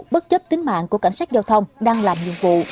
bất chấp tính mạng của cảnh sát giao thông đang làm nhiệm vụ